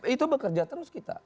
itu bekerja terus kita